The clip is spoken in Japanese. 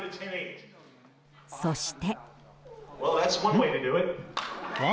そして。